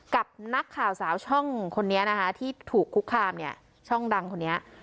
กับนักข่าวสาวช่องคนนี้นะคะที่ถูกคุกคามเนี่ยช่องดังคนนี้